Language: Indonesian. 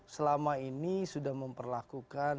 selama ini sudah memperlakukan